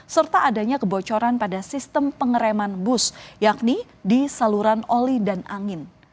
serta adanya kebocoran pada sistem pengereman bus yakni di saluran oli dan angin